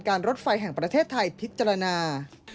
รถไฟแห่งประเทศไทยพิจารณา